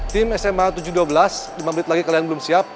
tim sma tujuh ratus dua belas lima menit lagi kalian belum siap